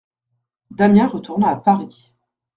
Damiens retourna à Paris.